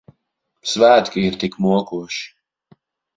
Svētki ir tik mokoši.